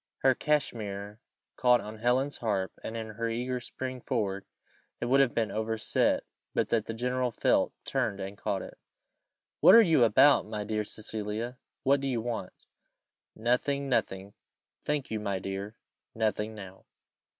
Her Cachemere caught on Helen's harp, and, in her eager spring forward, it would have been overset, but that the general felt, turned, and caught it. "What are you about, my dear Cecilia? what do you want?" "Nothing, nothing, thank you, my dear; nothing now."